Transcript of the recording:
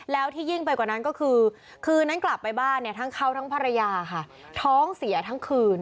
แล้วที่ยิ่งไปกว่านั้นก็คือคืนนั้นกลับไปบ้านเนี่ยทั้งเขาทั้งภรรยาค่ะท้องเสียทั้งคืน